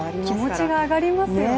気持ちが上がりますよね。